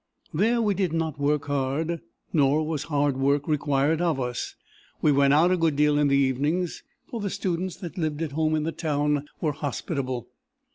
"There we did not work hard, nor was hard work required of us. We went out a good deal in the evenings, for the students that lived at home in the town were hospitable.